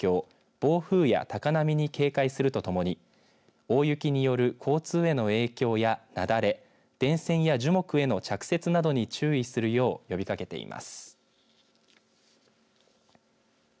暴風や高波に警戒するとともに大雪による交通への影響や雪崩電線や樹木への着雪などに注意するよう呼びかけています。